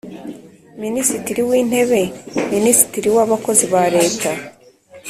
Minisitiri w Intebe Minisitiri w Abakozi ba Leta